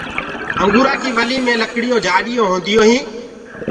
انگوُرآنٚ ڪيٚ ولي مي لڪڙيو جآڏيونٚ هونديونٚ هينٚ۔